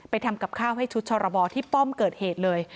ทำกับข้าวให้ชุดชรบที่ป้อมเกิดเหตุเลย